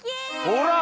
ほら！